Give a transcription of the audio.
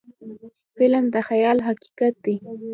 فلم د خیال حقیقت دی